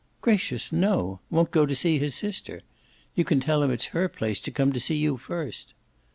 "Gracious, no! Won't go to see his sister. You can tell him it's her place to come to see you first."